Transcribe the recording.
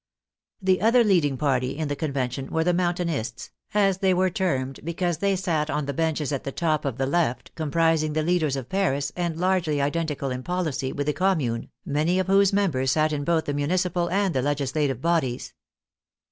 The other leading party in the Convention were the Mountainists, as they were termed, because they sat on the benches at the top of the left, comprising the leaders of Paris and largely identical in policy with the Com mune, many of whose members sat in both the municipal and the legislative bodies.